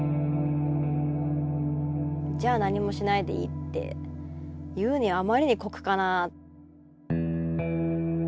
じゃあ何もしないでいいって言うにはあまりに酷かな。